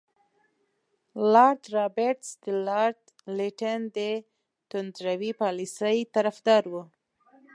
لارډ رابرټس د لارډ لیټن د توندروي پالیسۍ طرفدار وو.